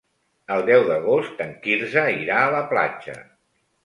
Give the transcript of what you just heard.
El deu d'agost en Quirze irà a la platja.